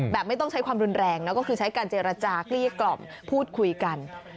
ไม่ต้องใช้ความรุนแรงนะก็คือใช้การเจรจาเกลี้ยกล่อมพูดคุยกัน